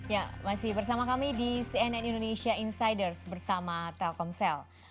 ya masih bersama kami di cnn indonesia insiders bersama telkomsel